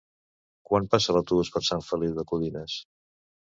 Quan passa l'autobús per Sant Feliu de Codines?